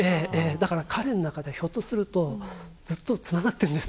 だから彼の中ではひょっとするとずっとつながってるんです。